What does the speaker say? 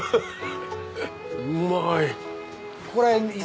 うまい！